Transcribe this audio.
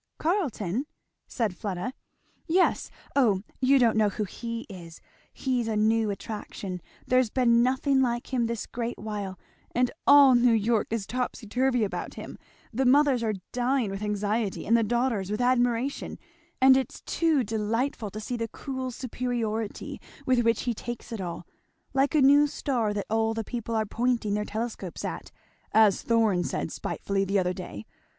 "Carleton!" said Fleda. "Yes O you don't know who he is! he's a new attraction there's been nothing like him this great while, and all New York is topsy turvy about him; the mothers are dying with anxiety and the daughters with admiration; and it's too delightful to see the cool superiority with which he takes it all; like a new star that all the people are pointing their telescopes at, as Thorn said spitefully the other day.